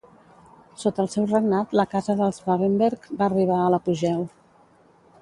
Sota el seu regnat la casa dels Babenberg va arribar a l'apogeu.